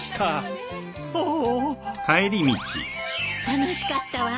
楽しかったわ。